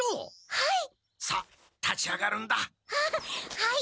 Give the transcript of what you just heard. はい。